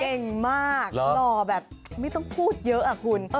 เก่งมากหล่อแบบไม่ต้องพูดเยอะอะคุณ